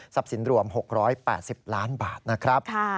ทรัพย์สินรวม๖๘๐ล้านบาทนะครับ